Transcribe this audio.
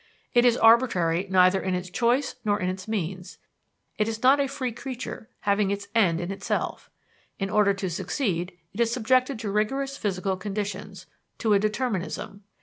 It is arbitrary neither in its choice nor in its means; it is not a free creature having its end in itself. In order to succeed, it is subjected to rigorous physical conditions, to a determinism.